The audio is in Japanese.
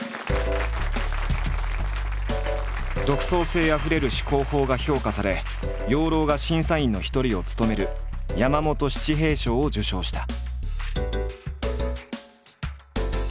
独創性あふれる思考法が評価され養老が審査員の一人を務める山本七平賞を受賞した。